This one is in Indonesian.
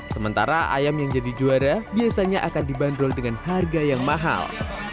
sementara ayam yang jadi juara biasanya akan dibanderol dengan harga yang mahal